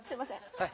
はい。